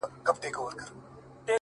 داسي نه كړو،